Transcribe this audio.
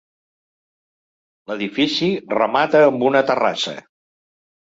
L'edifici remata amb una terrassa.